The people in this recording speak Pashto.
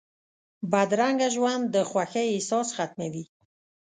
بدرنګه ژوند د خوښۍ احساس ختموي